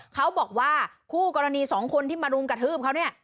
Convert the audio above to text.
เขาบอกว่าคู่กรณีสองคนที่มารุมกระทืบเขาเนี่ย